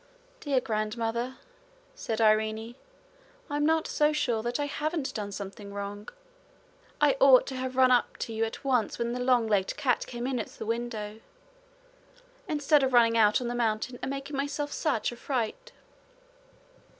'Dear grandmother,' said Irene, 'I'm not so sure that I haven't done something wrong. I ought to have run up to you at once when the long legged cat came in at the window, instead of running out on the mountain and making myself such a fright.'